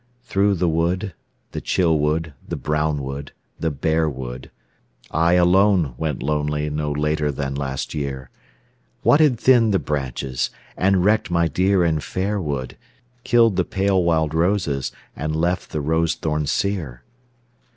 Through the wood, the chill wood, the brown wood, the bare wood, I alone went lonely no later than last year, What had thinned the branches, and wrecked my dear and fair wood, Killed the pale wild roses and left the rose thorns sere ?